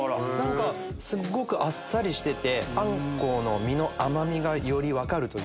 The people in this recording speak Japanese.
すっごくあっさりしててアンコウの身の甘みがより分かるというか。